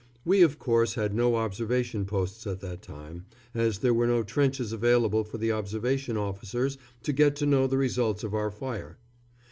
We, of course, had no observation posts at that time, as there were no trenches available for the observation officers to get to know the results of our fire.